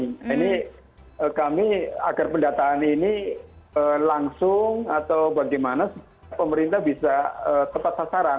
nah ini kami agar pendataan ini langsung atau bagaimana pemerintah bisa tepat sasaran